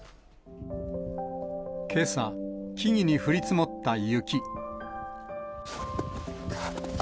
けさ、木々に降り積もった雪。